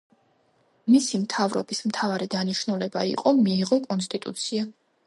მისი მთავრობის მთავარი დანიშნულება იყი მიეღო კონსტიტუცია.